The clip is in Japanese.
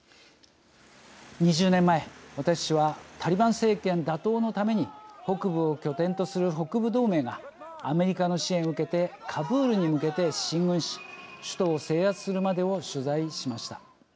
２０年前私はタリバン政権打倒のために北部を拠点とする北部同盟がアメリカの支援を受けてカブールに向けて進軍し首都を制圧するまでを取材しました。